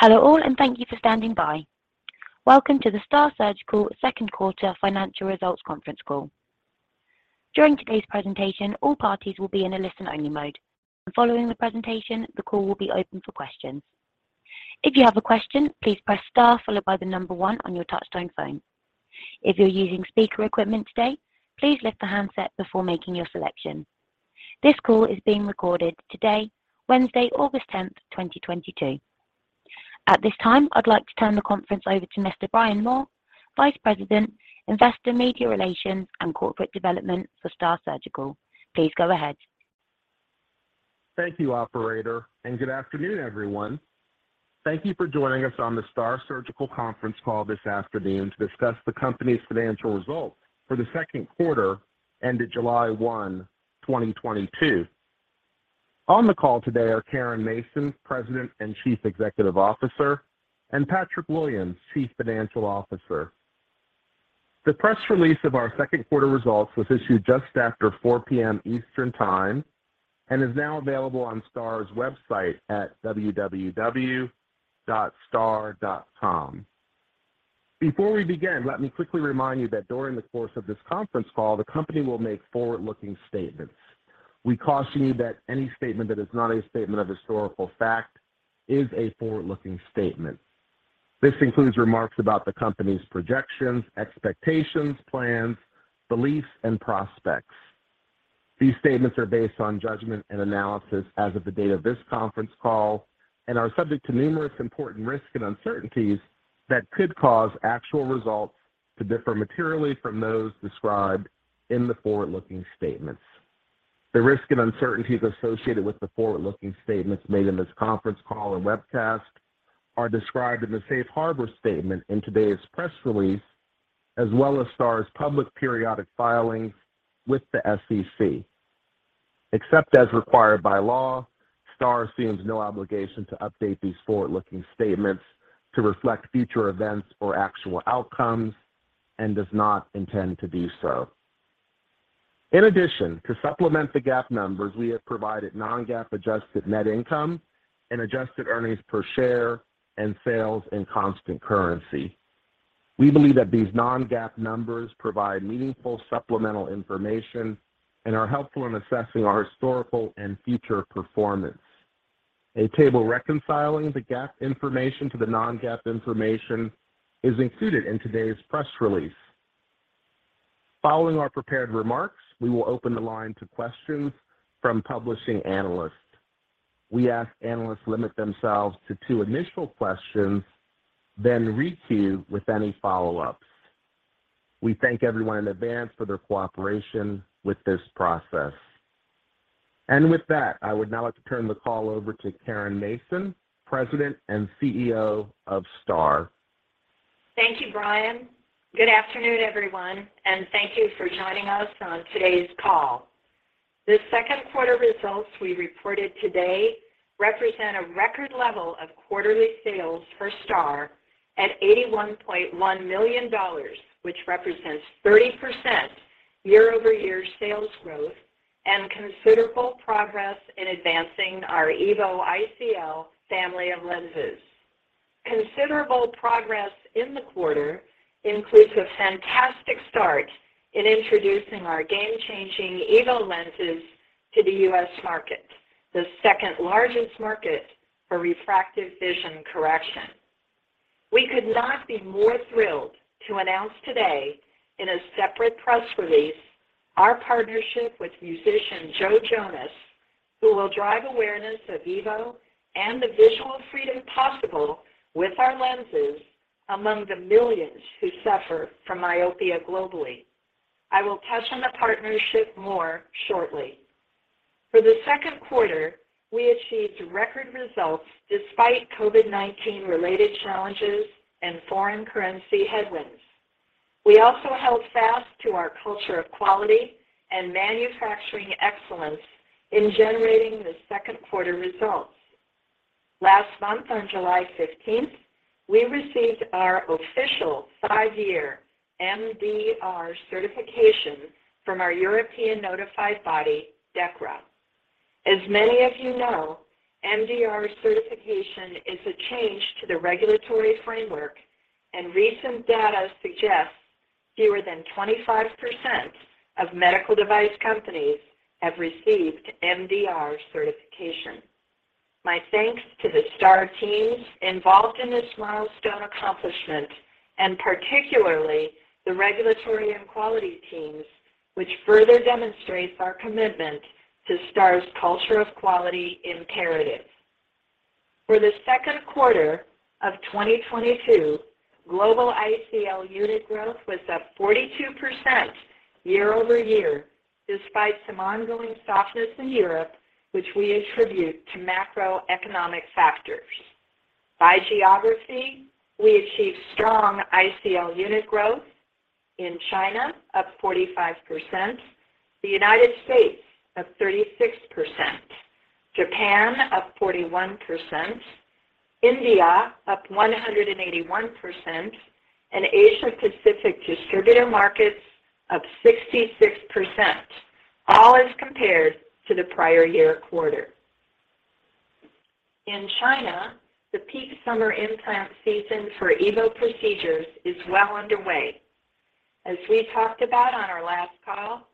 Hello all, and thank you for standing by. Welcome to the STAAR Surgical Second Quarter Financial Results Conference Call. During today's presentation, all parties will be in a listen-only mode. Following the presentation, the call will be open for questions. If you have a question, please press star followed by the number one on your touchtone phone. If you're using speaker equipment today, please lift the handset before making your selection. This call is being recorded today, Wednesday, August tenth, twenty twenty-two. At this time, I'd like to turn the conference over to Mr. Brian Moore, Vice President, Investor Relations and Corporate Development for STAAR Surgical. Please go ahead. Thank you, operator, and good afternoon, everyone. Thank you for joining us on the STAAR Surgical conference call this afternoon to discuss the company's financial results for the second quarter ended July 1, 2022. On the call today are Caren Mason, President and Chief Executive Officer, and Patrick Williams, Chief Financial Officer. The press release of our second quarter results was issued just after 4:00 P.M. Eastern Time and is now available on STAAR's website at www.staar.com. Before we begin, let me quickly remind you that during the course of this conference call the company will make forward-looking statements. We caution you that any statement that is not a statement of historical fact is a forward-looking statement. This includes remarks about the company's projections, expectations, plans, beliefs, and prospects. These statements are based on judgment and analysis as of the date of this conference call and are subject to numerous important risks and uncertainties that could cause actual results to differ materially from those described in the forward-looking statements. The risks and uncertainties associated with the forward-looking statements made in this conference call and webcast are described in the safe harbor statement in today's press release, as well as STAAR's public periodic filings with the SEC. Except as required by law, STAAR assumes no obligation to update these forward-looking statements to reflect future events or actual outcomes and does not intend to do so. In addition, to supplement the GAAP numbers, we have provided non-GAAP adjusted net income and adjusted earnings per share and sales in constant currency. We believe that these non-GAAP numbers provide meaningful supplemental information and are helpful in assessing our historical and future performance. A table reconciling the GAAP information to the non-GAAP information is included in today's press release. Following our prepared remarks, we will open the line to questions from participating analysts. We ask that analysts limit themselves to two initial questions, then re-queue with any follow-ups. We thank everyone in advance for their cooperation with this process. With that, I would now like to turn the call over to Caren Mason, President and CEO of STAAR Surgical. Thank you, Brian. Good afternoon, everyone, and thank you for joining us on today's call. The second quarter results we reported today represent a record level of quarterly sales for STAAR at $81.1 million, which represents 30% year-over-year sales growth and considerable progress in advancing our EVO ICL family of lenses. Considerable progress in the quarter includes a fantastic start in introducing our game-changing EVO lenses to the U.S. market, the second largest market for refractive vision correction. We could not be more thrilled to announce today in a separate press release our partnership with musician Joe Jonas, who will drive awareness of EVO and the visual freedom possible with our lenses among the millions who suffer from myopia globally. I will touch on the partnership more shortly. For the second quarter, we achieved record results despite COVID-19 related challenges and foreign currency headwinds. We also held fast to our culture of quality and manufacturing excellence in generating the second quarter results. Last month on July 15, we received our official five-year MDR certification from our European notified body, DEKRA. As many of you know, MDR certification is a change to the regulatory framework and recent data suggests fewer than 25% of medical device companies have received MDR certification. My thanks to the STAAR teams involved in this milestone accomplishment, and particularly the regulatory and quality teams, which further demonstrates our commitment to STAAR's culture of quality imperative. For the second quarter of 2022, global ICL unit growth was up 42% year-over-year, despite some ongoing softness in Europe, which we attribute to macroeconomic factors. By geography, we achieved strong ICL unit growth in China up 45%, the United States up 36%, Japan up 41%, India up 181%, and Asia-Pacific distributor markets up 66%. All as compared to the prior year quarter. In China, the peak summer implant season for EVO procedures is well underway. As we talked about on our last call,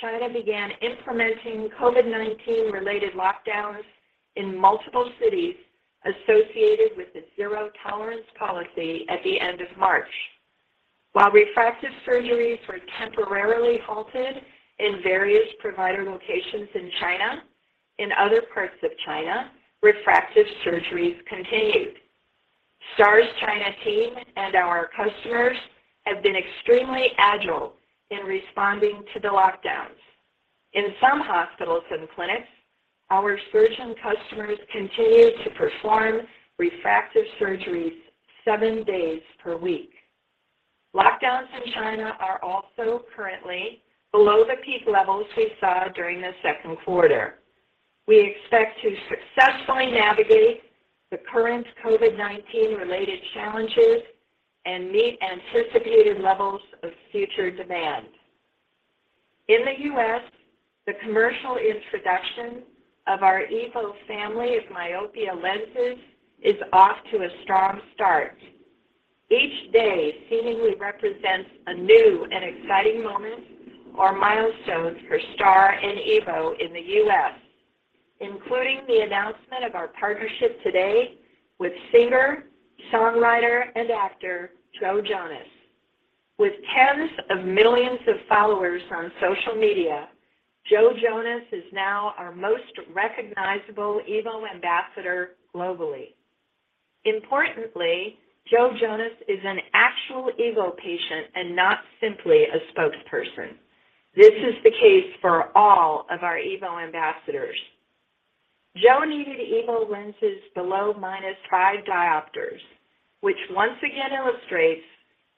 China began implementing COVID-19 related lockdowns in multiple cities associated with the zero-tolerance policy at the end of March. While refractive surgeries were temporarily halted in various provider locations in China, in other parts of China, refractive surgeries continued. STAAR's China team and our customers have been extremely agile in responding to the lockdowns. In some hospitals and clinics, our surgeon customers continued to perform refractive surgeries seven days per week. Lockdowns in China are also currently below the peak levels we saw during the second quarter. We expect to successfully navigate the current COVID-19 related challenges and meet anticipated levels of future demand. In the U.S., the commercial introduction of our EVO family of myopia lenses is off to a strong start. Each day seemingly represents a new and exciting moment or milestones for STAAR and EVO in the U.S., including the announcement of our partnership today with singer-songwriter and actor Joe Jonas. With tens of millions of followers on social media, Joe Jonas is now our most recognizable EVO ambassador globally. Importantly, Joe Jonas is an actual EVO patient and not simply a spokesperson. This is the case for all of our EVO ambassadors. Joe needed EVO lenses below minus 5 diopters, which once again illustrates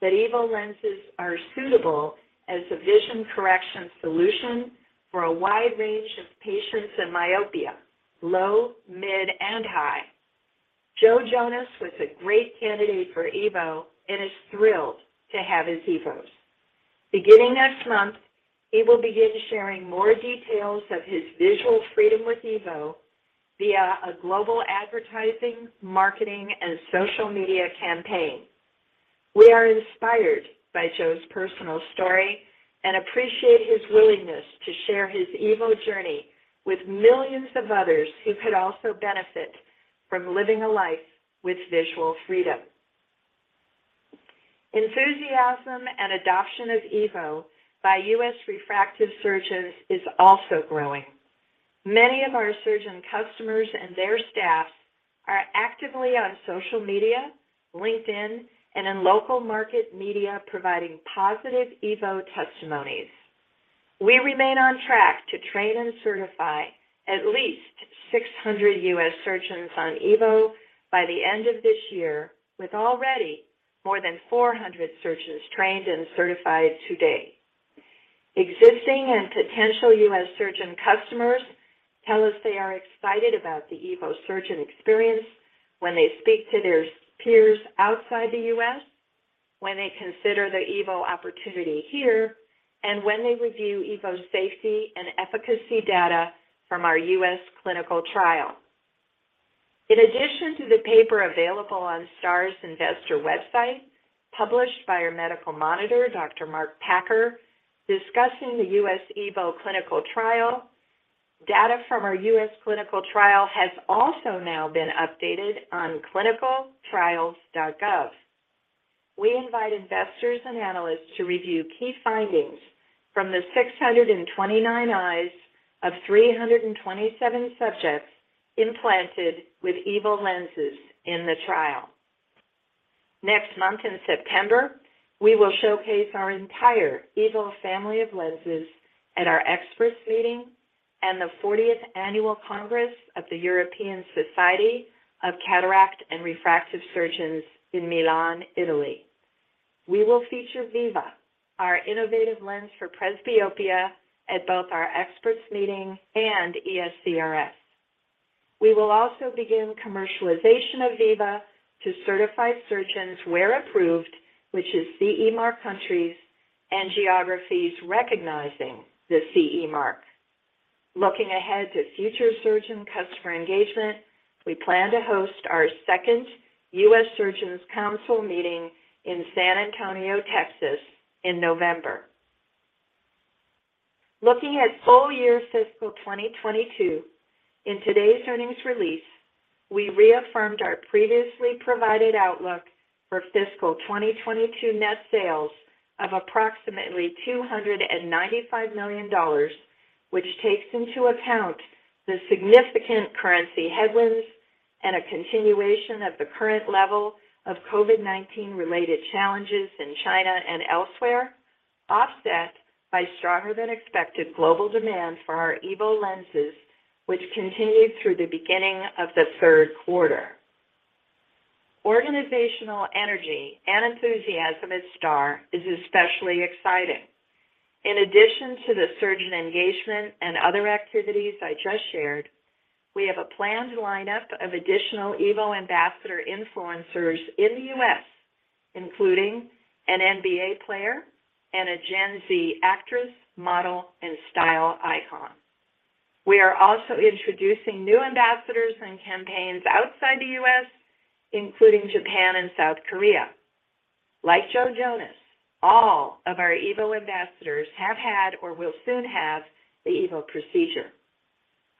that EVO lenses are suitable as a vision correction solution for a wide range of patients in myopia, low, mid, and high. Joe Jonas was a great candidate for EVO and is thrilled to have his EVOs. Beginning next month, he will begin sharing more details of his visual freedom with EVO via a global advertising, marketing, and social media campaign. We are inspired by Joe's personal story and appreciate his willingness to share his EVO journey with millions of others who could also benefit from living a life with visual freedom. Enthusiasm and adoption of EVO by U.S. refractive surgeons is also growing. Many of our surgeon customers and their staff are actively on social media, LinkedIn, and in local market media providing positive EVO testimonies. We remain on track to train and certify at least 600 U.S. surgeons on EVO by the end of this year, with already more than 400 surgeons trained and certified to date. Existing and potential U.S. surgeon customers tell us they are excited about the EVO surgeon experience when they speak to their peers outside the U.S., when they consider the EVO opportunity here, and when they review EVO's safety and efficacy data from our U.S. clinical trial. In addition to the paper available on STAAR's investor website published by our medical monitor, Dr. Mark Packer, discussing the U.S. EVO clinical trial, data from our U.S. clinical trial has also now been updated on ClinicalTrials.gov. We invite investors and analysts to review key findings from the 629 eyes of 327 subjects implanted with EVO lenses in the trial. Next month in September, we will showcase our entire EVO family of lenses at our experts meeting and the fortieth annual Congress of the European Society of Cataract and Refractive Surgeons in Milan, Italy. We will feature Viva, our innovative lens for presbyopia, at both our experts meeting and ESCRS. We will also begin commercialization of Viva to certified surgeons where approved, which is CE mark countries and geographies recognizing the CE mark. Looking ahead to future surgeon customer engagement, we plan to host our second U.S. Surgeons Council meeting in San Antonio, Texas in November. Looking at full year fiscal 2022, in today's earnings release, we reaffirmed our previously provided outlook for fiscal 2022 net sales of approximately $295 million, which takes into account the significant currency headwinds and a continuation of the current level of COVID-19 related challenges in China and elsewhere, offset by stronger than expected global demand for our EVO lenses, which continued through the beginning of the third quarter. Organizational energy and enthusiasm at STAAR is especially exciting. In addition to the surgeon engagement and other activities I just shared, we have a planned lineup of additional EVO ambassador influencers in the US, including an NBA player and a Gen Z actress, model, and style icon. We are also introducing new ambassadors and campaigns outside the US, including Japan and South Korea. Like Joe Jonas, all of our EVO ambassadors have had or will soon have the EVO procedure.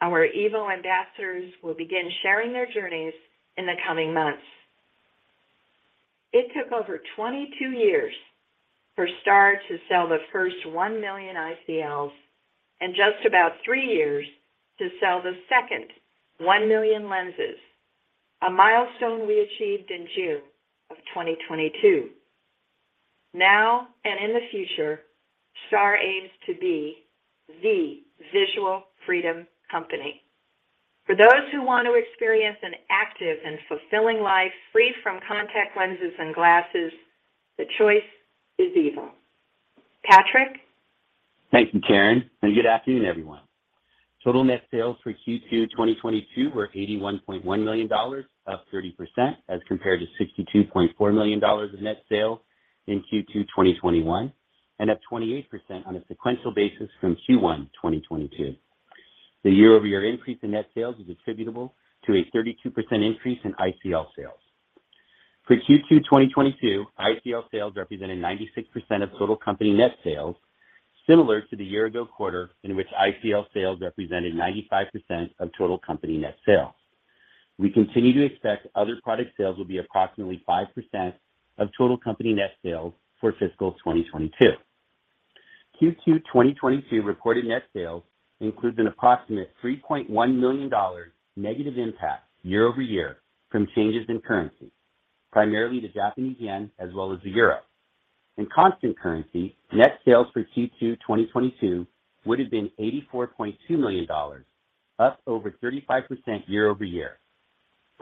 Our EVO ambassadors will begin sharing their journeys in the coming months. It took over 22 years for STAAR to sell the first one million ICLs and just about three years to sell the second one million lenses, a milestone we achieved in June of 2022. Now, and in the future, STAAR aims to be the visual freedom company. For those who want to experience an active and fulfilling life free from contact lenses and glasses, the choice is EVO. Patrick? Thank you, Caren, and good afternoon, everyone. Total net sales for Q2 2022 were $81.1 million, up 30% as compared to $62.4 million in net sales in Q2 2021, and up 28% on a sequential basis from Q1 2022. The year-over-year increase in net sales is attributable to a 32% increase in ICL sales. For Q2 2022, ICL sales represented 96% of total company net sales, similar to the year ago quarter in which ICL sales represented 95% of total company net sales. We continue to expect other product sales will be approximately 5% of total company net sales for fiscal 2022. Q2 2022 recorded net sales includes an approximate $3.1 million negative impact year-over-year from changes in currency, primarily the Japanese yen as well as the euro. In constant currency, net sales for Q2 2022 would have been $84.2 million, up over 35%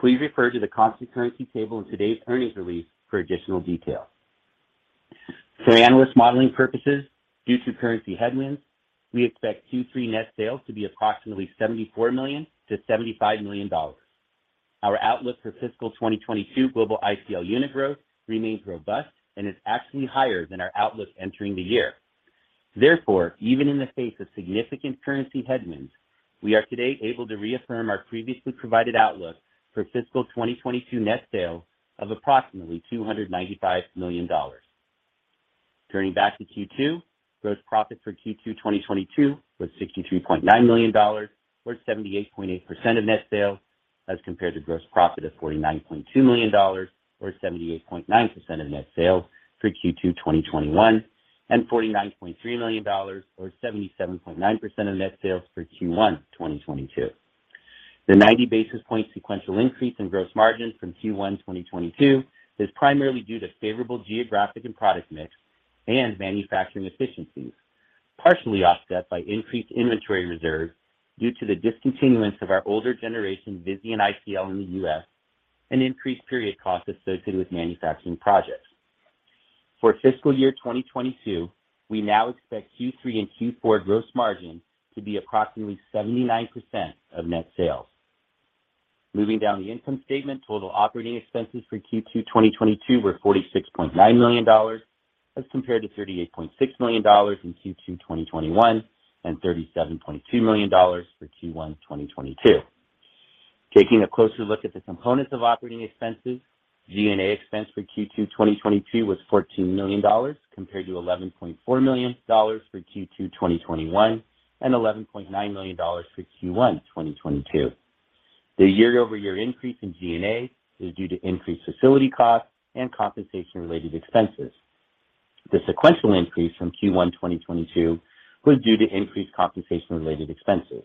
year-over-year. Please refer to the constant currency table in today's earnings release for additional details. For analyst modeling purposes, due to currency headwinds, we expect Q3 net sales to be approximately $74 million-$75 million. Our outlook for fiscal 2022 global ICL unit growth remains robust and is actually higher than our outlook entering the year. Therefore, even in the face of significant currency headwinds, we are today able to reaffirm our previously provided outlook for fiscal 2022 net sales of approximately $295 million. Turning back to Q2, gross profit for Q2 2022 was $63.9 million, or 78.8% of net sales as compared to gross profit of $49.2 million or 78.9% of net sales for Q2 2021, and $49.3 million or 77.9% of net sales for Q1 2022. The 90 basis point sequential increase in gross margin from Q1 2022 is primarily due to favorable geographic and product mix and manufacturing efficiencies, partially offset by increased inventory reserves due to the discontinuance of our older generation Visian ICL in the U.S. and increased period costs associated with manufacturing projects. For fiscal year 2022, we now expect Q3 and Q4 gross margin to be approximately 79% of net sales. Moving down the income statement, total operating expenses for Q2 2022 were $46.9 million as compared to $38.6 million in Q2 2021 and $37.2 million for Q1 2022. Taking a closer look at the components of operating expenses, G&A expense for Q2 2022 was $14 million compared to $11.4 million for Q2 2021 and $11.9 million for Q1 2022. The year-over-year increase in G&A is due to increased facility costs and compensation related expenses. The sequential increase from Q1 2022 was due to increased compensation related expenses.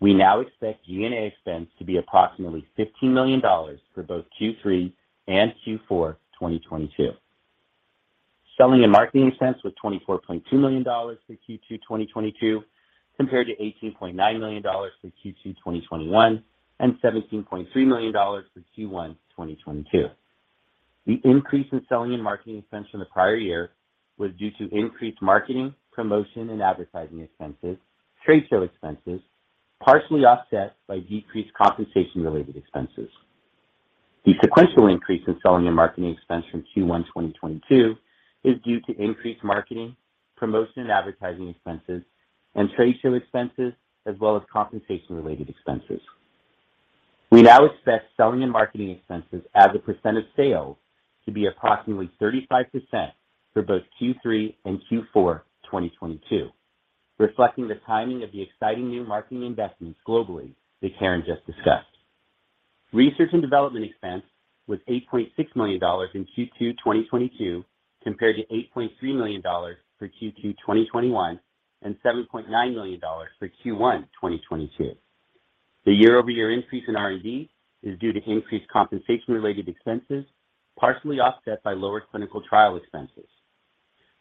We now expect G&A expense to be approximately $15 million for both Q3 and Q4 2022. Selling and marketing expense was $24.2 million for Q2 2022 compared to $18.9 million for Q2 2021 and $17.3 million for Q1 2022. The increase in selling and marketing expense from the prior year was due to increased marketing, promotion, and advertising expenses, trade show expenses, partially offset by decreased compensation related expenses. The sequential increase in selling and marketing expense from Q1 2022 is due to increased marketing, promotion and advertising expenses and trade show expenses, as well as compensation related expenses. We now expect selling and marketing expenses as a percent of sales to be approximately 35% for both Q3 and Q4 2022, reflecting the timing of the exciting new marketing investments globally that Caren just discussed. Research and development expense was $8.6 million in Q2 2022 compared to $8.3 million for Q2 2021 and $7.9 million for Q1 2022. The year-over-year increase in R&D is due to increased compensation related expenses, partially offset by lower clinical trial expenses.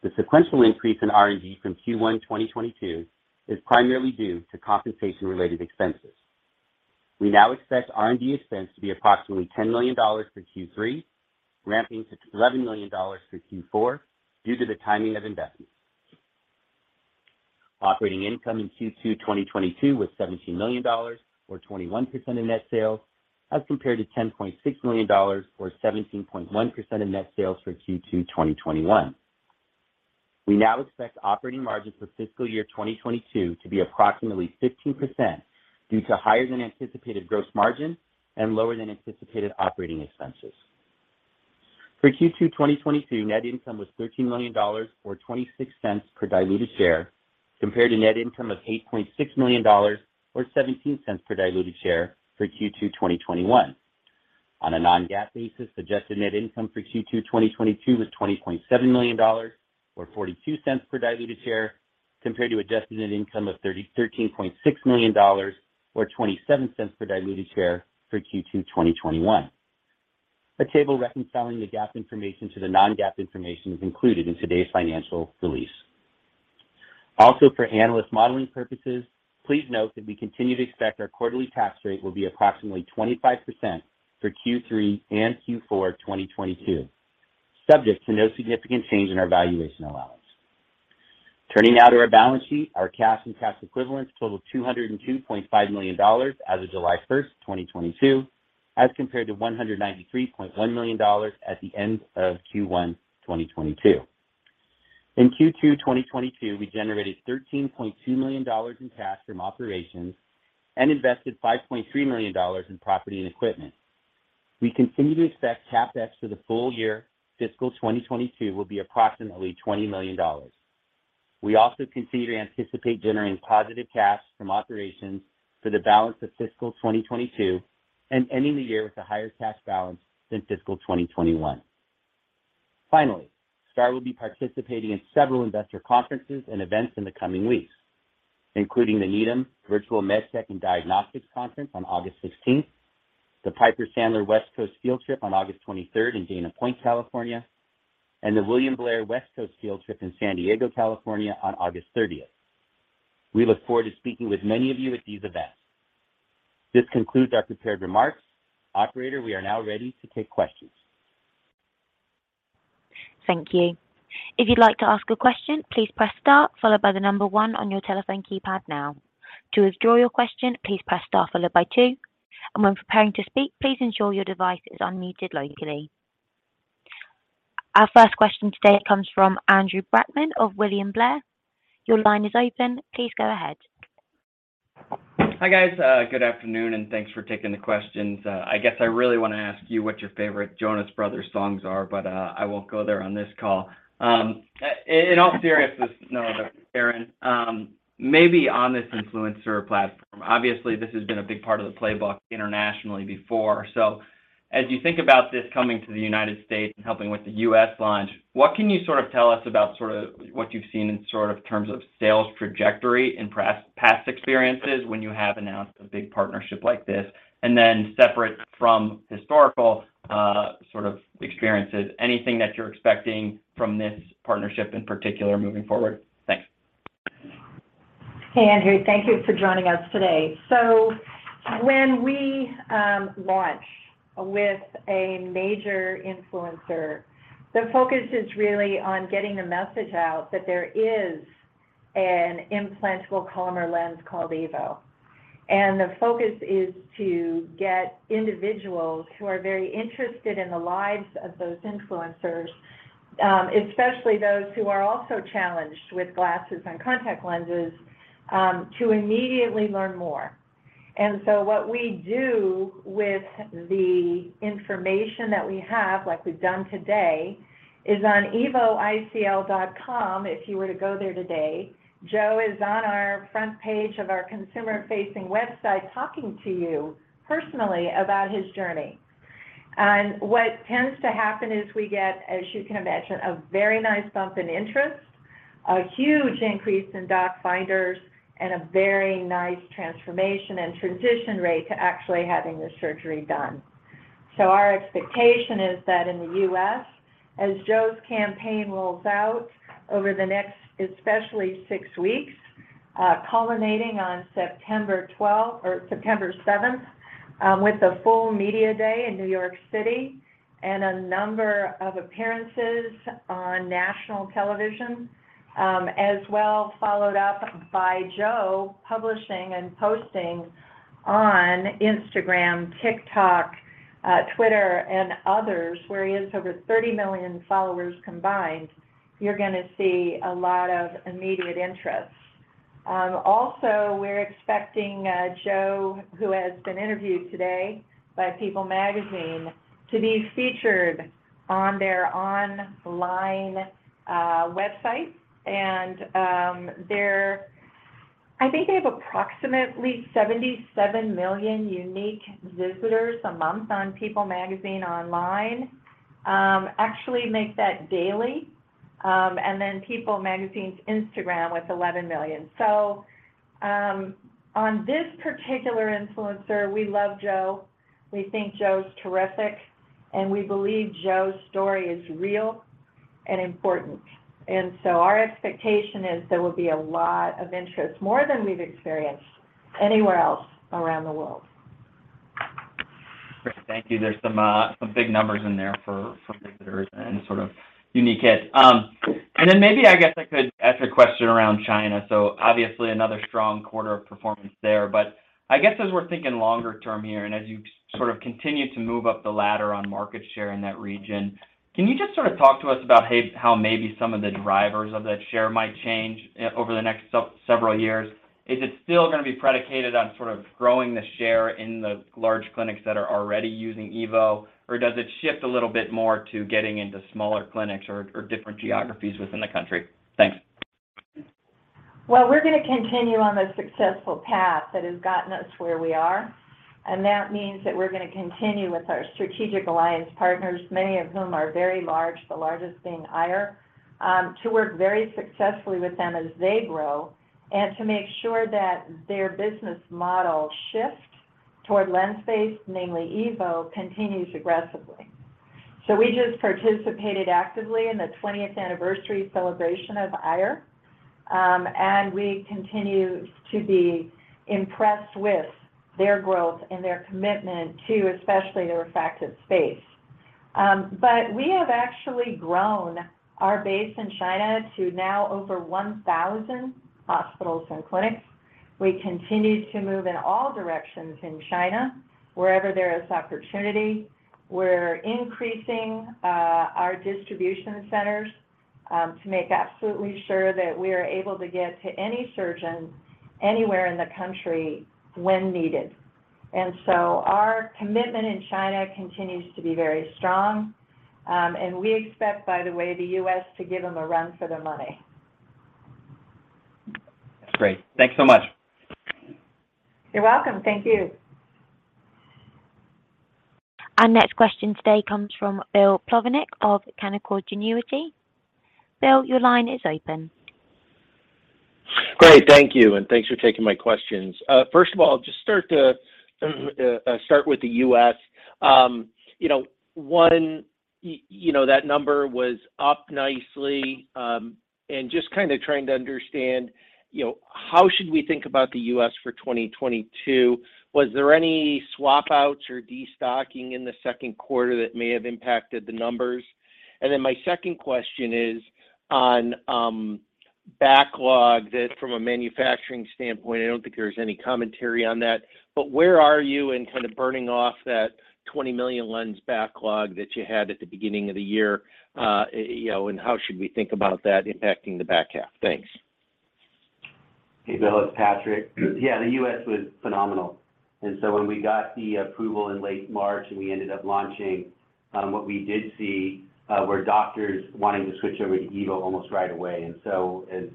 The sequential increase in R&D from Q1 2022 is primarily due to compensation related expenses. We now expect R&D expense to be approximately $10 million for Q3, ramping to $11 million for Q4 due to the timing of investments. Operating income in Q2 2022 was $17 million, or 21% of net sales, as compared to $10.6 million or 17.1% of net sales for Q2 2021. We now expect operating margins for fiscal year 2022 to be approximately 15% due to higher than anticipated gross margin and lower than anticipated operating expenses. For Q2 2022, net income was $13 million or $0.26 per diluted share, compared to net income of $8.6 million or $0.17 per diluted share for Q2 2021. On a non-GAAP basis, adjusted net income for Q2 2022 was $20.7 million or $0.42 per diluted share, compared to adjusted net income of thirteen point six million dollars or $0.27 per diluted share for Q2 2021. A table reconciling the GAAP information to the non-GAAP information is included in today's financial release. For analyst modeling purposes, please note that we continue to expect our quarterly tax rate will be approximately 25% for Q3 and Q4 2022, subject to no significant change in our valuation allowance. Turning now to our balance sheet, our cash and cash equivalents totaled $202.5 million as of July 1, 2022, as compared to $193.1 million at the end of Q1 2022. In Q2 2022, we generated $13.2 million in cash from operations and invested $5.3 million in property and equipment. We continue to expect CapEx for the full year fiscal 2022 will be approximately $20 million. We also continue to anticipate generating positive cash from operations for the balance of fiscal 2022 and ending the year with a higher cash balance than fiscal 2021. Finally, STAAR will be participating in several investor conferences and events in the coming weeks, including the Needham Virtual MedTech & Diagnostics Conference on August 16, the Piper Sandler West Coast Field Trip on August 23rd in Dana Point, California, and the William Blair West Coast Field Trip in San Diego, California on August 30th. We look forward to speaking with many of you at these events. This concludes our prepared remarks. Operator, we are now ready to take questions. Thank you. If you'd like to ask a question, please press star followed by the number one on your telephone keypad now. To withdraw your question, please press star followed by two, and when preparing to speak, please ensure your device is unmuted locally. Our first question today comes from Andrew Brackmann of William Blair. Your line is open. Please go ahead. Hi, guys. Good afternoon, and thanks for taking the questions. I guess I really wanna ask you what your favorite Jonas Brothers songs are, but I won't go there on this call. In all seriousness, no, Caren, maybe on this influencer platform, obviously, this has been a big part of the playbook internationally before. As you think about this coming to the United States and helping with the U.S. launch, what can you sort of tell us about sorta what you've seen in sort of terms of sales trajectory in past experiences when you have announced a big partnership like this? And then separate from historical, sort of experiences, anything that you're expecting from this partnership in particular moving forward? Thanks. Hey, Andrew. Thank you for joining us today. When we launch with a major influencer, the focus is really on getting the message out that there is an Implantable Collamer Lens called EVO. The focus is to get individuals who are very interested in the lives of those influencers, especially those who are also challenged with glasses and contact lenses, to immediately learn more. What we do with the information that we have, like we've done today, is on evoicl.com, if you were to go there today, Joe is on our front page of our consumer-facing website talking to you personally about his journey. What tends to happen is we get, as you can imagine, a very nice bump in interest, a huge increase in doc finders, and a very nice transformation and transition rate to actually having the surgery done. Our expectation is that in the US, as Joe's campaign rolls out over the next, especially six weeks, culminating on September 7th, with the full media day in New York City and a number of appearances on national television, as well followed up by Joe publishing and posting on Instagram, TikTok, Twitter, and others, where he has over 30 million followers combined, you're gonna see a lot of immediate interest. Also, we're expecting, Joe, who has been interviewed today by People Magazine, to be featured on their online, website. Their... I think they have approximately 77 million unique visitors a month on People Magazine online, actually make that daily, and then People Magazine's Instagram with 11 million. On this particular influencer, we love Joe. We think Joe's terrific, and we believe Joe's story is real and important. Our expectation is there will be a lot of interest, more than we've experienced anywhere else around the world. Great. Thank you. There's some big numbers in there for visitors and sort of unique hits. Maybe, I guess, I could ask a question around China. Obviously another strong quarter of performance there, but I guess as we're thinking longer term here, and as you sort of continue to move up the ladder on market share in that region, can you just sort of talk to us about how maybe some of the drivers of that share might change over the next several years? Is it still gonna be predicated on sort of growing the share in the large clinics that are already using EVO, or does it shift a little bit more to getting into smaller clinics or different geographies within the country? Thanks. Well, we're gonna continue on the successful path that has gotten us where we are, and that means that we're gonna continue with our strategic alliance partners, many of whom are very large, the largest being Aier, to work very successfully with them as they grow and to make sure that their business model shift toward lens-based, namely EVO, continues aggressively. We just participated actively in the 20th anniversary celebration of Aier, and we continue to be impressed with their growth and their commitment to especially the refractive space. We have actually grown our base in China to now over 1,000 hospitals and clinics. We continue to move in all directions in China wherever there is opportunity. We're increasing our distribution centers to make absolutely sure that we are able to get to any surgeon anywhere in the country when needed. Our commitment in China continues to be very strong, and we expect, by the way, the U.S. to give them a run for their money. That's great. Thanks so much. You're welcome. Thank you. Our next question today comes from Bill Plovanic of Canaccord Genuity. Bill, your line is open. Great. Thank you, and thanks for taking my questions. First of all, start with the U.S. You know, that number was up nicely, and just kinda trying to understand, you know, how should we think about the U.S. for 2022? Was there any swap outs or destocking in the second quarter that may have impacted the numbers? Then my second question is on the backlog from a manufacturing standpoint. I don't think there's any commentary on that, but where are you in kind of burning off that 20 million lens backlog that you had at the beginning of the year, and how should we think about that impacting the back half? Thanks. Hey, Bill. It's Patrick. Yeah, the U.S. was phenomenal. When we got the approval in late March and we ended up launching, what we did see were doctors wanting to switch over to EVO almost right away. As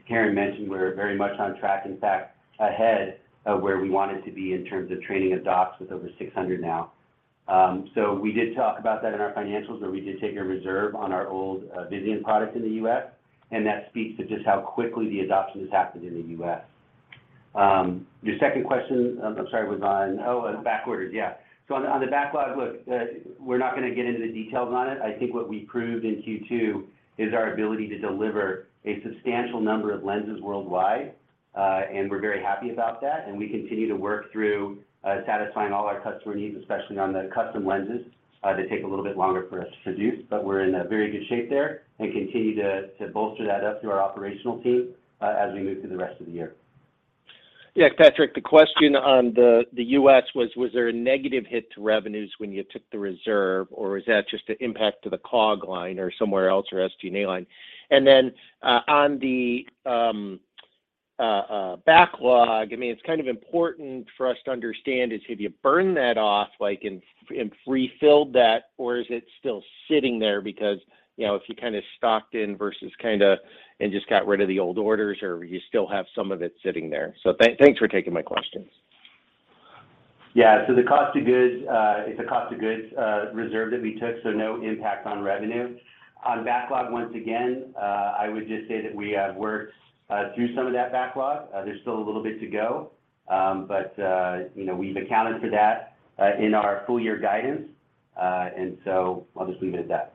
Caren mentioned, we're very much on track, in fact, ahead of where we wanted to be in terms of training of docs with over 600 now. We did talk about that in our financials, where we did take a reserve on our old Visian product in the U.S., and that speaks to just how quickly the adoption has happened in the U.S. Your second question, I'm sorry, was on back orders. Oh, back orders. Yeah. On the backlog, look, we're not gonna get into the details on it. I think what we proved in Q2 is our ability to deliver a substantial number of lenses worldwide, and we're very happy about that, and we continue to work through satisfying all our customer needs, especially on the custom lenses. They take a little bit longer for us to produce, but we're in a very good shape there and continue to bolster that up through our operational team, as we move through the rest of the year. Yeah. Patrick, the question on the U.S. was there a negative hit to revenues when you took the reserve, or is that just an impact to the COGS line or somewhere else or SG&A line? And then, on the backlog, I mean, it's kind of important for us to understand, have you burned that off, like, and refilled that, or is it still sitting there? Because, you know, if you kinda stocked in versus kinda and just got rid of the old orders, or you still have some of it sitting there. Thanks for taking my questions. The cost of goods reserve that we took, so no impact on revenue. On backlog, once again, I would just say that we have worked through some of that backlog. There's still a little bit to go, but you know, we've accounted for that in our full year guidance. I'll just leave it at that.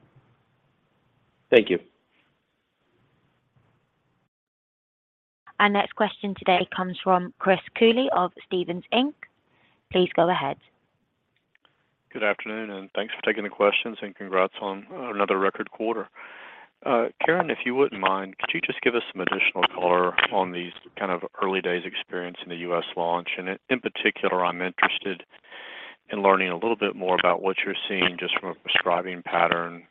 Thank you. Our next question today comes from Chris Cooley of Stephens Inc. Please go ahead. Good afternoon, and thanks for taking the questions, and congrats on another record quarter. Caren, if you wouldn't mind, could you just give us some additional color on these kind of early days experience in the US launch? In particular, I'm interested in learning a little bit more about what you're seeing just from a prescribing pattern,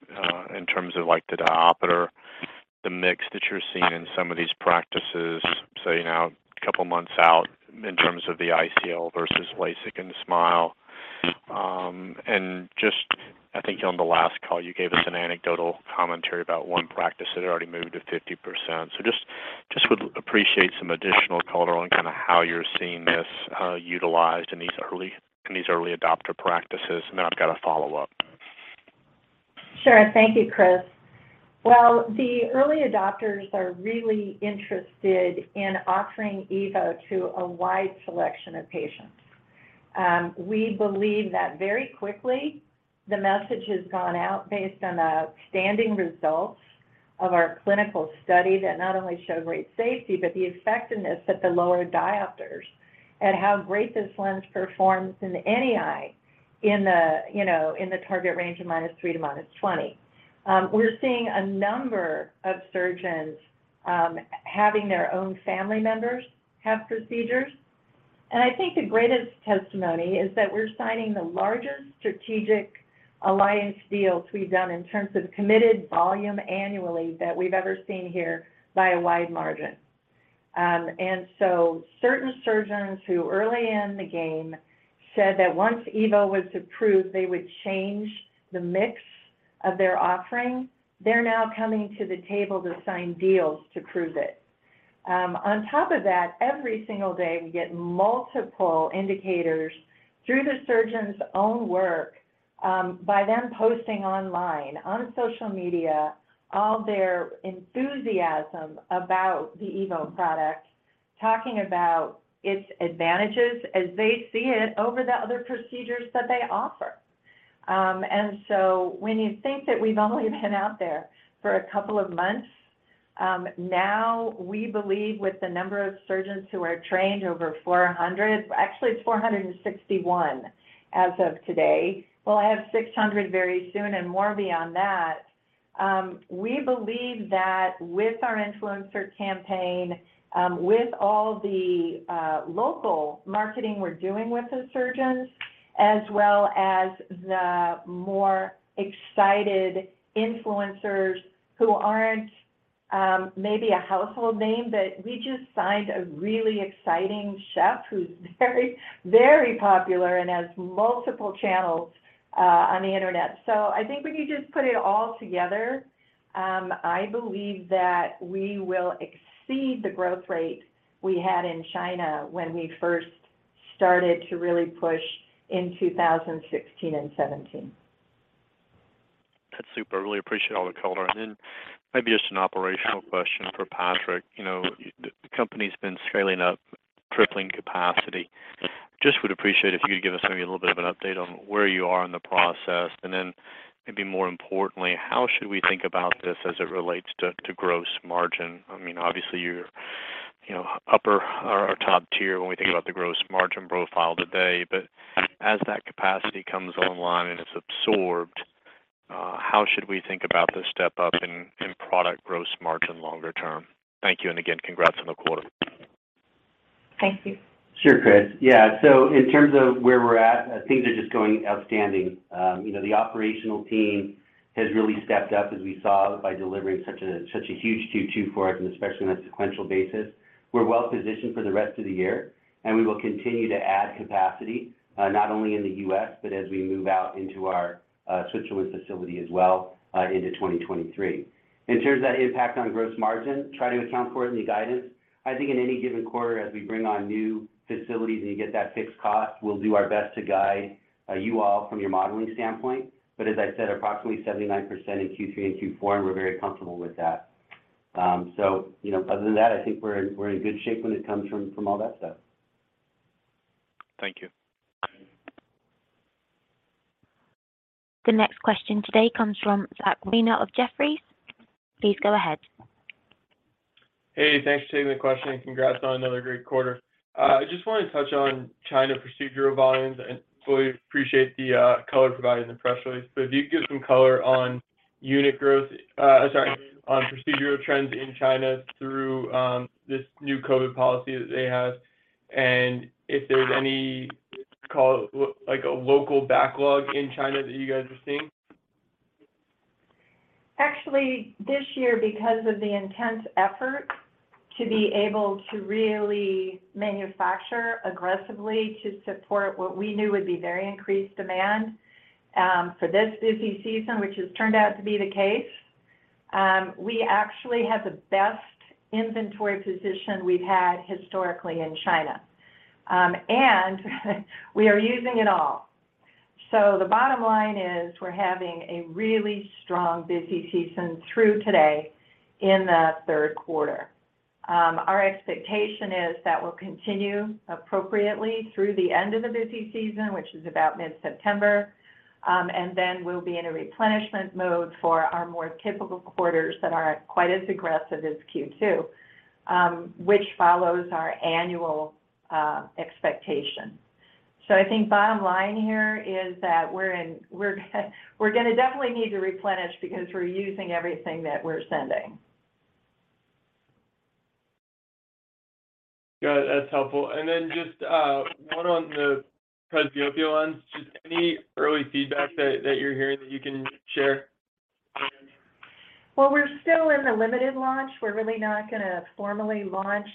in terms of, like, the diopter, the mix that you're seeing in some of these practices, say now a couple months out in terms of the ICL versus LASIK and SMILE. I think on the last call you gave us an anecdotal commentary about one practice that had already moved to 50%. Just would appreciate some additional color on kinda how you're seeing this, utilized in these early adopter practices. Then I've got a follow-up. Sure. Thank you, Chris. Well, the early adopters are really interested in offering EVO to a wide selection of patients. The message has gone out based on the outstanding results of our clinical study that not only show great safety, but the effectiveness at the lower diopters and how great this lens performs in any eye in the, you know, in the target range of -3 to -20. We're seeing a number of surgeons having their own family members have procedures. I think the greatest testimony is that we're signing the largest strategic alliance deals we've done in terms of committed volume annually that we've ever seen here by a wide margin. Certain surgeons who early in the game said that once EVO was approved, they would change the mix of their offering, they're now coming to the table to sign deals to prove it. On top of that, every single day, we get multiple indicators through the surgeon's own work, by them posting online, on social media, all their enthusiasm about the EVO product, talking about its advantages as they see it over the other procedures that they offer. When you think that we've only been out there for a couple of months, now we believe with the number of surgeons who are trained, over 400. Actually, it's 461 as of today. We'll have 600 very soon and more beyond that. We believe that with our influencer campaign, with all the local marketing we're doing with those surgeons, as well as the more excited influencers who aren't maybe a household name, but we just signed a really exciting chef who's very, very popular and has multiple channels on the internet. I think when you just put it all together, I believe that we will exceed the growth rate we had in China when we first started to really push in 2016 and 2017. That's super. Really appreciate all the color. Then maybe just an operational question for Patrick. You know, the company's been scaling up, tripling capacity. Just would appreciate if you could give us maybe a little bit of an update on where you are in the process, and then maybe more importantly, how should we think about this as it relates to gross margin? I mean, obviously, you're upper or top tier when we think about the gross margin profile today. But as that capacity comes online and it's absorbed, how should we think about the step-up in product gross margin longer term? Thank you, and again, congrats on the quarter. Thank you. Sure, Chris. Yeah. In terms of where we're at, things are just going outstanding. You know, the operational team has really stepped up as we saw by delivering such a huge Q2 for us, and especially on a sequential basis. We're well-positioned for the rest of the year, and we will continue to add capacity, not only in the U.S., but as we move out into our Switzerland facility as well, into 2023. In terms of that impact on gross margin, try to account for it in the guidance. I think in any given quarter, as we bring on new facilities and you get that fixed cost, we'll do our best to guide you all from your modeling standpoint. As I said, approximately 79% in Q3 and Q4, and we're very comfortable with that. You know, other than that, I think we're in good shape when it comes from all that stuff. Thank you. The next question today comes from Zachary Weiner of Jefferies. Please go ahead. Hey, thanks for taking the question, and congrats on another great quarter. I just wanted to touch on China procedural volumes. I fully appreciate the color provided in the press release, but if you could give some color on procedural trends in China through this new COVID policy that they have, and if there's any like a local backlog in China that you guys are seeing. Actually, this year, because of the intense effort to be able to really manufacture aggressively to support what we knew would be very increased demand for this busy season, which has turned out to be the case, we actually have the best inventory position we've had historically in China. We are using it all. The bottom line is we're having a really strong busy season through today in the third quarter. Our expectation is that will continue appropriately through the end of the busy season, which is about mid-September, and then we'll be in a replenishment mode for our more typical quarters that aren't quite as aggressive as Q2, which follows our annual expectation. I think bottom line here is that we're gonna definitely need to replenish because we're using everything that we're sending. Got it. That's helpful. Just one on the presbyopia lens. Just any early feedback that you're hearing that you can share? Well, we're still in the limited launch. We're really not gonna formally launch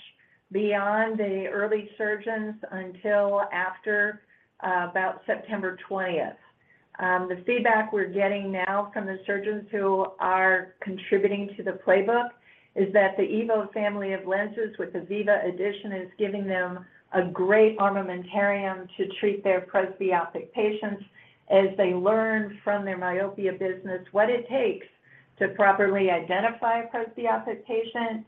beyond the early surgeons until after about September twentieth. The feedback we're getting now from the surgeons who are contributing to the playbook is that the EVO family of lenses with the Viva addition is giving them a great armamentarium to treat their presbyopic patients as they learn from their myopia business what it takes to properly identify a presbyopic patient.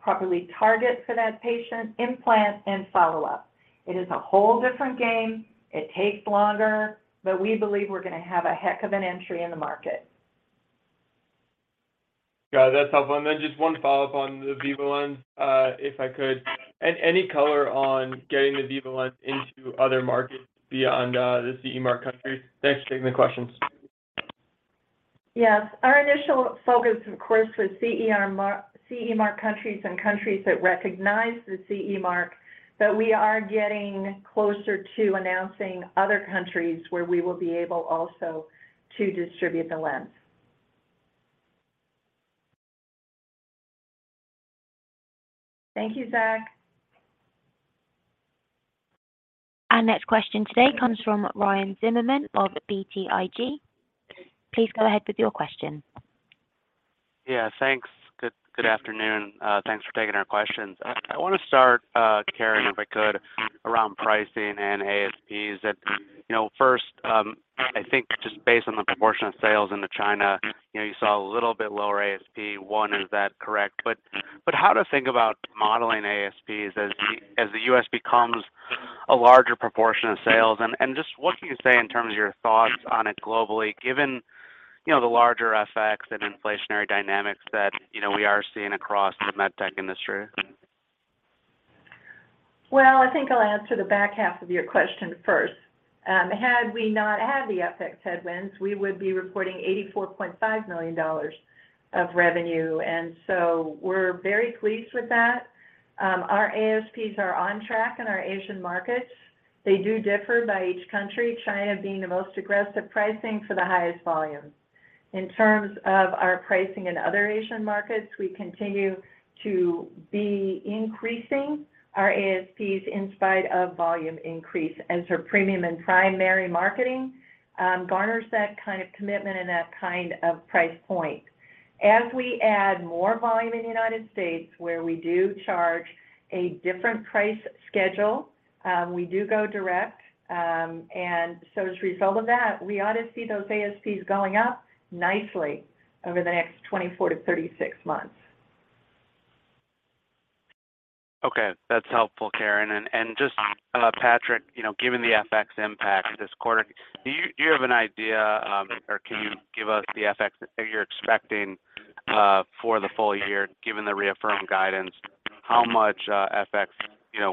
Properly target for that patient, implant and follow-up. It is a whole different game. It takes longer, but we believe we're gonna have a heck of an entry in the market. Got it. That's helpful. Then just one follow-up on the Viva lens, if I could. Any color on getting the EVO Viva lens into other markets beyond the CE mark countries? Thanks for taking the questions. Yes. Our initial focus, of course, was CE mark countries and countries that recognize the CE mark, but we are getting closer to announcing other countries where we will be able also to distribute the lens. Thank you, Zach. Our next question today comes from Ryan Zimmerman of BTIG. Please go ahead with your question. Yeah. Thanks. Good afternoon. Thanks for taking our questions. I wanna start, Caren, if I could, around pricing and ASPs. That, you know, first, I think just based on the proportion of sales into China, you know, you saw a little bit lower ASP. One, is that correct? But how to think about modeling ASPs as the U.S. becomes a larger proportion of sales? And just what can you say in terms of your thoughts on it globally, given, you know, the larger FX and inflationary dynamics that, you know, we are seeing across the med tech industry? I think I'll answer the back half of your question first. Had we not had the FX headwinds, we would be reporting $84.5 million of revenue, and we're very pleased with that. Our ASPs are on track in our Asian markets. They do differ by each country, China being the most aggressive pricing for the highest volume. In terms of our pricing in other Asian markets, we continue to be increasing our ASPs in spite of volume increase. Premium and primary marketing garners that kind of commitment and that kind of price point. As we add more volume in the United States, where we do charge a different price schedule, we do go direct. As a result of that, we ought to see those ASPs going up nicely over the next 24-36 months. Okay. That's helpful, Caren. Just, Patrick, you know, given the FX impact this quarter, do you have an idea, or can you give us the FX that you're expecting for the full year given the reaffirmed guidance? How much FX, you know.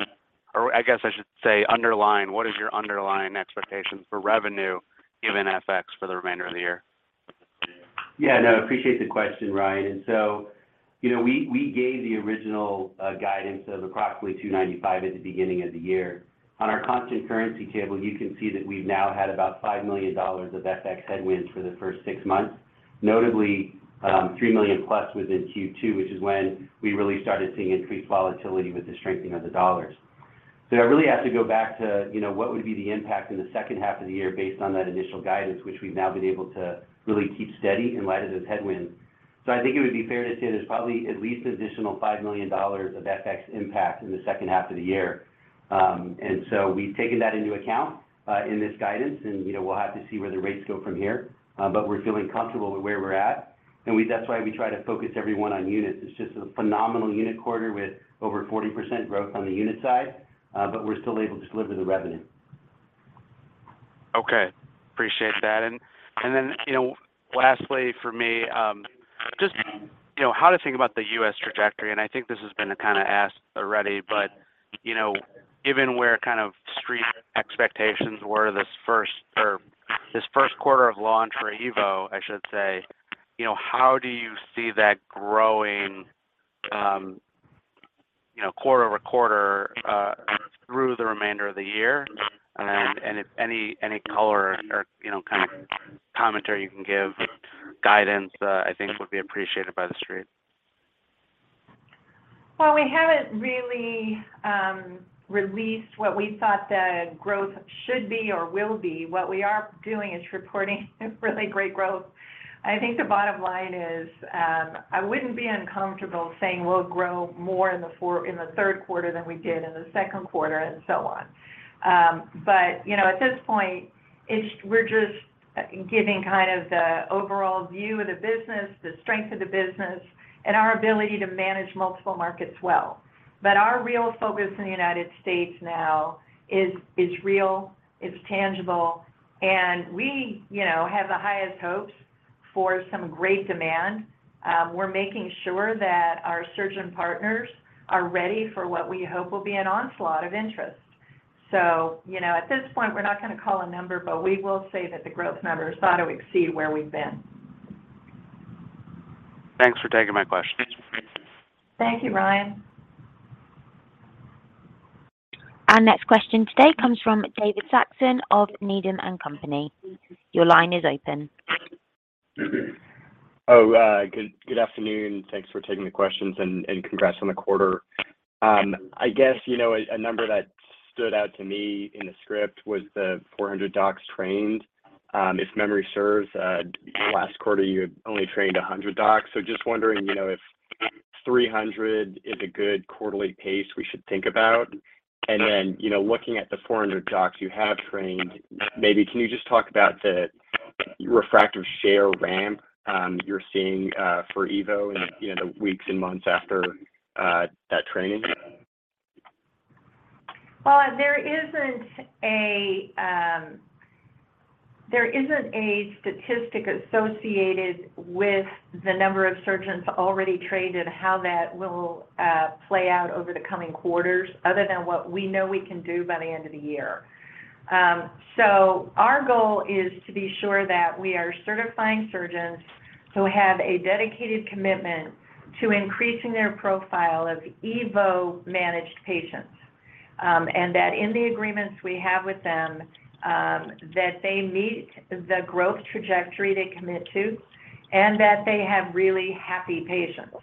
I guess I should say underlying. What is your underlying expectation for revenue given FX for the remainder of the year? Yeah, no, appreciate the question, Ryan. You know, we gave the original guidance of approximately $295 million at the beginning of the year. On our constant currency table, you can see that we've now had about $5 million of FX headwinds for the first six months. Notably, $3 million plus was in Q2, which is when we really started seeing increased volatility with the strengthening of the dollar. I really have to go back to, you know, what would be the impact in the second half of the year based on that initial guidance, which we've now been able to really keep steady in light of those headwinds. I think it would be fair to say there's probably at least an additional $5 million of FX impact in the second half of the year. We've taken that into account in this guidance, and, you know, we'll have to see where the rates go from here. But we're feeling comfortable with where we're at, that's why we try to focus everyone on units. It's just a phenomenal unit quarter with over 40% growth on the unit side, but we're still able to deliver the revenue. Okay. Appreciate that. Then, you know, lastly for me, just, you know, how to think about the U.S. trajectory, and I think this has been kind of asked already, but, you know, given where kind of Street expectations were this first quarter of launch for EVO, I should say, you know, how do you see that growing, you know, quarter-over-quarter, through the remainder of the year? If any color or, you know, kind of commentary you can give, guidance, I think would be appreciated by the Street. Well, we haven't really released what we thought the growth should be or will be. What we are doing is reporting really great growth. I think the bottom line is, I wouldn't be uncomfortable saying we'll grow more in the third quarter than we did in the second quarter and so on. But, you know, at this point, it's. We're just giving kind of the overall view of the business, the strength of the business, and our ability to manage multiple markets well. But our real focus in the United States now is real, it's tangible, and we, you know, have the highest hopes for some great demand. We're making sure that our surgeon partners are ready for what we hope will be an onslaught of interest. you know, at this point, we're not gonna call a number, but we will say that the growth numbers ought to exceed where we've been. Thanks for taking my questions. Thank you, Ryan. Our next question today comes from David Saxon of Needham & Company. Your line is open. Good afternoon. Thanks for taking the questions and congrats on the quarter. I guess, you know, a number that stood out to me in the script was the 400 docs trained. If memory serves, last quarter you had only trained 100 docs. Just wondering, you know, if 300 is a good quarterly pace we should think about. You know, looking at the 400 docs you have trained, maybe can you just talk about the refractive share ramp you're seeing for EVO in the weeks and months after that training? Well, there isn't a statistic associated with the number of surgeons already trained and how that will play out over the coming quarters, other than what we know we can do by the end of the year. Our goal is to be sure that we are certifying surgeons who have a dedicated commitment to increasing their profile of EVO-managed patients. That in the agreements we have with them, that they meet the growth trajectory they commit to, and that they have really happy patients.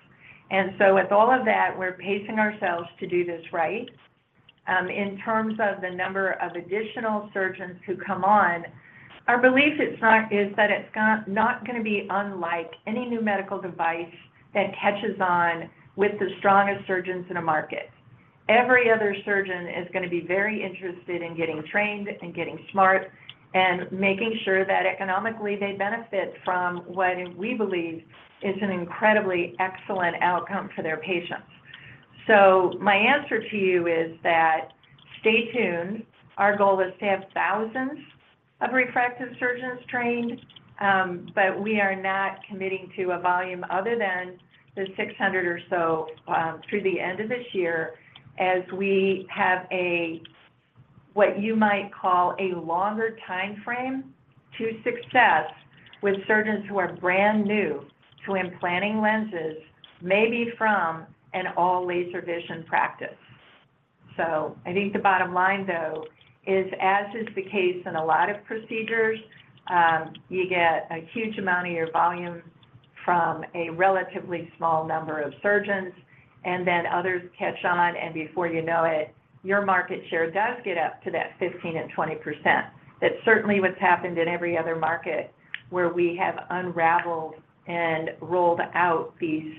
With all of that, we're pacing ourselves to do this right. In terms of the number of additional surgeons who come on, our belief is that it's not gonna be unlike any new medical device that catches on with the strongest surgeons in a market. Every other surgeon is gonna be very interested in getting trained and getting smart and making sure that economically they benefit from what we believe is an incredibly excellent outcome for their patients. My answer to you is that stay tuned. Our goal is to have thousands of refractive surgeons trained, but we are not committing to a volume other than the 600 or so, through the end of this year as we have a, what you might call a longer timeframe to success with surgeons who are brand new to implanting lenses, maybe from an all laser vision practice. I think the bottom line though is, as is the case in a lot of procedures, you get a huge amount of your volume from a relatively small number of surgeons, and then others catch on, and before you know it, your market share does get up to that 15% and 20%. That's certainly what's happened in every other market where we have unraveled and rolled out these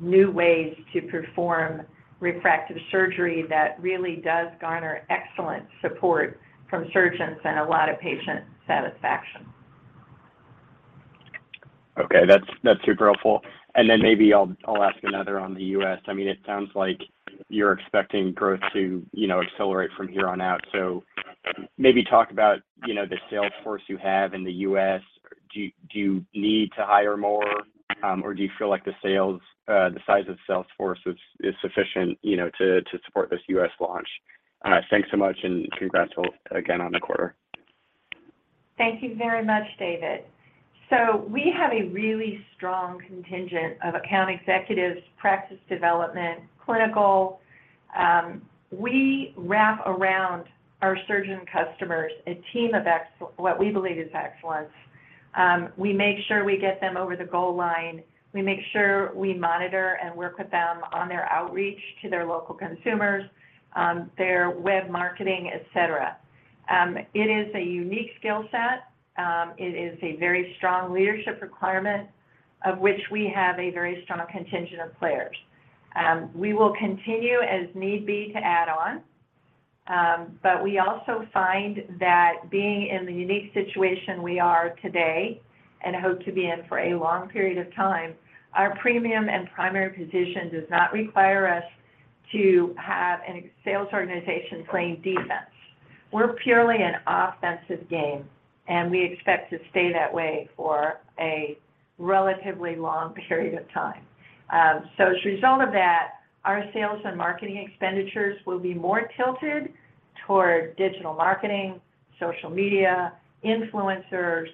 new ways to perform refractive surgery that really does garner excellent support from surgeons and a lot of patient satisfaction. Okay. That's super helpful. Then maybe I'll ask another on the U.S. I mean, it sounds like you're expecting growth to, you know, accelerate from here on out. Maybe talk about, you know, the sales force you have in the U.S. Do you need to hire more, or do you feel like the sales, the size of the sales force is sufficient, you know, to support this U.S. launch? Thanks so much, and congrats again on the quarter. Thank you very much, David. We have a really strong contingent of account executives, practice development, clinical. We wrap around our surgeon customers a team of what we believe is excellence. We make sure we get them over the goal line. We make sure we monitor and work with them on their outreach to their local consumers, their web marketing, et cetera. It is a unique skill set. It is a very strong leadership requirement of which we have a very strong contingent of players. We will continue as need be to add on, but we also find that being in the unique situation we are today, and hope to be in for a long period of time, our premium and primary position does not require us to have a sales organization playing defense. We're purely an offensive game, and we expect to stay that way for a relatively long period of time. As a result of that, our sales and marketing expenditures will be more tilted toward digital marketing, social media, influencers.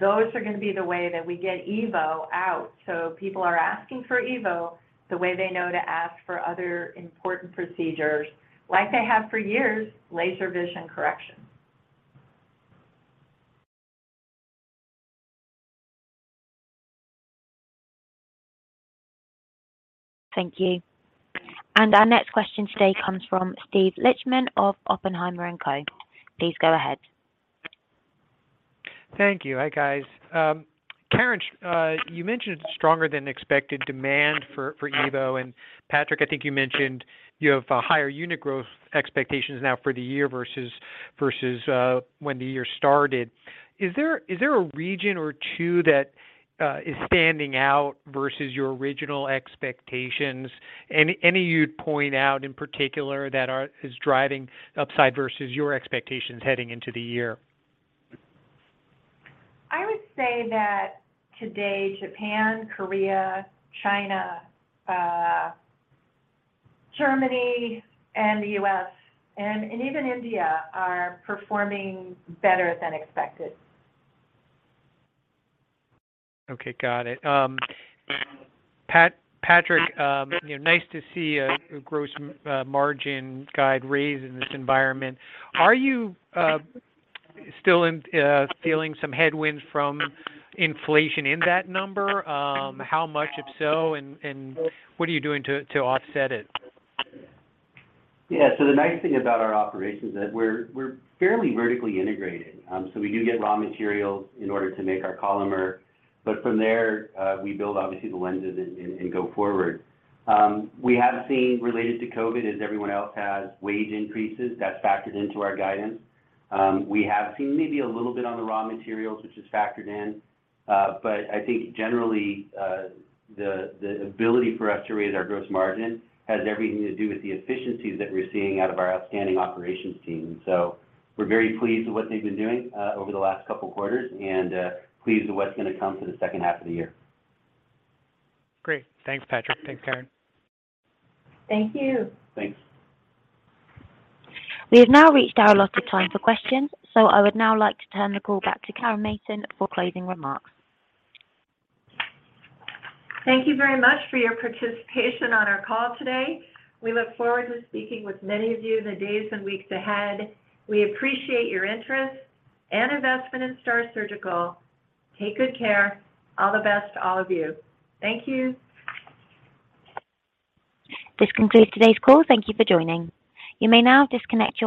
Those are gonna be the way that we get EVO out, so people are asking for EVO the way they know to ask for other important procedures, like they have for years, laser vision correction. Thank you. Our next question today comes from Steven Lichtman of Oppenheimer & Co. Please go ahead. Thank you. Hi, guys. Caren, you mentioned stronger than expected demand for EVO, and Patrick, I think you mentioned you have higher unit growth expectations now for the year versus when the year started. Is there a region or two that is standing out versus your original expectations? Any you'd point out in particular that is driving upside versus your expectations heading into the year? I would say that today, Japan, Korea, China, Germany, and the U.S. and even India are performing better than expected. Okay. Got it. Patrick, you know, nice to see a gross margin guide raise in this environment. Are you still feeling some headwinds from inflation in that number? How much, if so, and what are you doing to offset it? Yeah. The nice thing about our operation is that we're fairly vertically integrated. We do get raw materials in order to make our Collamer. From there, we build obviously the lenses and go forward. We have seen related to COVID, as everyone else has, wage increases. That's factored into our guidance. We have seen maybe a little bit on the raw materials, which is factored in. I think generally, the ability for us to raise our gross margin has everything to do with the efficiencies that we're seeing out of our outstanding operations team. We're very pleased with what they've been doing over the last couple quarters and pleased with what's gonna come for the second half of the year. Great. Thanks, Patrick. Thanks, Caren. Thank you. Thanks. We have now reached our allotted time for questions, so I would now like to turn the call back to Caren Mason for closing remarks. Thank you very much for your participation on our call today. We look forward to speaking with many of you in the days and weeks ahead. We appreciate your interest and investment in STAAR Surgical. Take good care. All the best to all of you. Thank you. This concludes today's call. Thank you for joining. You may now disconnect your lines.